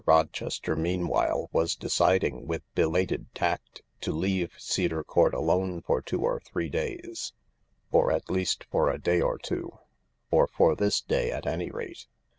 Rochester meanwhile was deciding with belated tact to leave Cedar Court alone for two or three days, or at least for a day or two— or for this day at any rate.